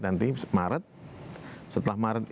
nanti maret setelah maret